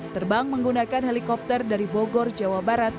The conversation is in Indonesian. terbang menggunakan helikopter dari bogor jawa barat